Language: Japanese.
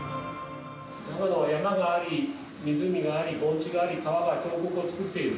長野は山があり、湖があり、盆地があり、川が峡谷を作っている。